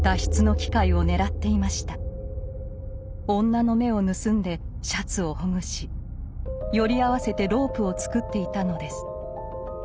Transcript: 女の目を盗んでシャツをほぐしより合わせてロープを作っていたのです。